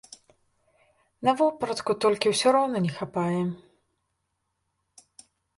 На вопратку толькі ўсё роўна не хапае.